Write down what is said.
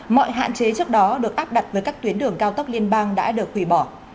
mọi hạn chế trước đó được áp đặt với các tuyến đường cao tốc liên bang đã được hủy bỏ